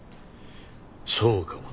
そうかもな。